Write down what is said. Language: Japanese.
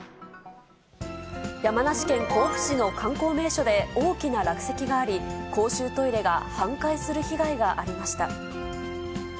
山梨県甲府市の観光名所で大きな落石があり、公衆トイレが半壊する被害がありました。